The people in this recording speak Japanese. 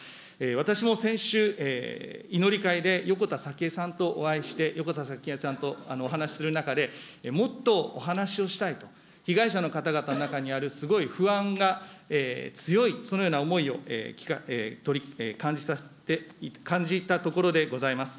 私も先週、いのりかいで横田早紀江さんとお会いして、横田早紀江さんとお話する中で、もっとお話をしたいと、被害者の方々の中にあるすごい不安が強い、そのような思いを感じたところでございます。